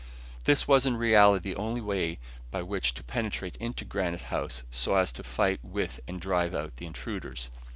This was in reality the only way by which to penetrate into Granite House so as to fight with and drive out the intruders.